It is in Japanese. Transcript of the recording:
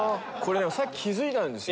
さっき気付いたんですよ。